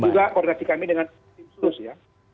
juga koordinasi kami dengan tim khusus ya